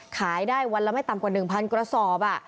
ขายได้วันละไม่ต่ำกว่า๑๐๐กระสอบ